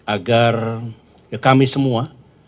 agar kami semua